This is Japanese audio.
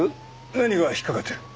何が引っかかってる？